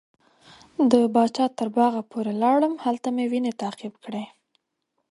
د پاچا تر باغه پورې لاړم هلته مې وینې تعقیب کړې.